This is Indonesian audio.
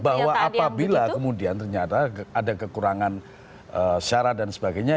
bahwa apabila kemudian ternyata ada kekurangan syarat dan sebagainya